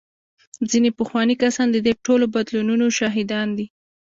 ځینې پخواني کسان د دې ټولو بدلونونو شاهدان دي.